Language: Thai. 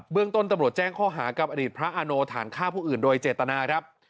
เรื่องต้นตำรวจแจ้งข้อหากับอดีตพระอาโนฐานฆ่าผู้อื่นโดยเจตนาครับ